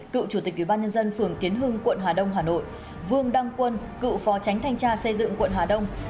cựu chủ tịch ubnd phường kiến hưng quận hà đông hà nội vương đăng quân cựu phó tránh thanh tra xây dựng quận hà đông